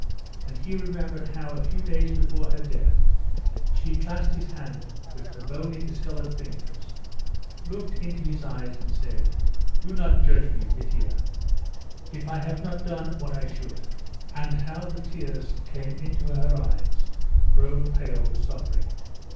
And he remembered how a few days before her death she clasped his hand with her bony, discoloured fingers, looked into his eyes, and said: "Do not judge me, Mitia, if I have not done what I should," and how the tears came into her eyes, grown pale with suffering.